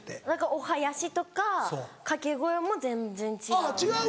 お囃子とか掛け声も全然違う。